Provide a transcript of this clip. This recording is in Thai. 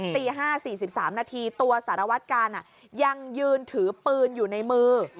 ตี๕๔๓นาทีตัวสารวัตกาลยังยืนถือปืนอยู่ในมือ